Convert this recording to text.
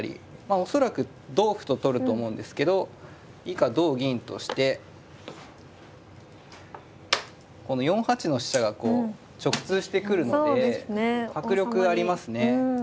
恐らく同歩と取ると思うんですけど以下同銀として４八の飛車がこう直通してくるので迫力がありますね。